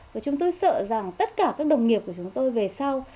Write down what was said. và chúng tôi sợ rằng tất cả các đồng nghiệp của chúng tôi về sau